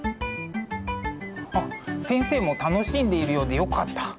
あっ先生も楽しんでいるようでよかった。